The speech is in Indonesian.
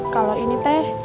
kalau ini teh